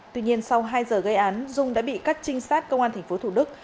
tuy nhiên sau hai giờ gây án dung đã bị các trinh sát công an tp thủ đức